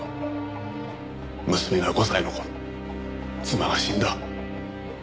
娘が５歳の頃妻が死んだ。